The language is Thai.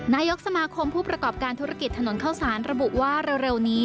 นายกสมาคมผู้ประกอบการธุรกิจถนนเข้าสารระบุว่าเร็วนี้